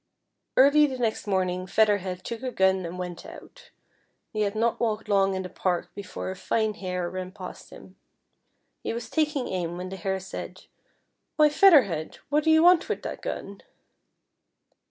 Early the next morning Feather Head took a gun and went out. He had not walked long in the park before a fine hare ran past him. He was taking aim when the Hare said :" Why, Feather Head, what do you want with that gun